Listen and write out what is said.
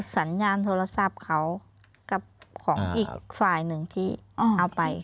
สัญญาณโทรศัพท์เขากับของอีกฝ่ายหนึ่งที่เอาไป